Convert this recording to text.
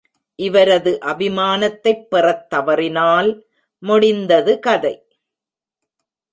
இவரது அபிமானத்தைப் பெறத் தவறினால், முடிந்தது கதை!...